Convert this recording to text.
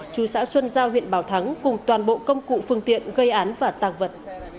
chủ xã xuân giao huyện bảo thắng cùng toàn bộ công cụ phương tiện gây án và tạc vật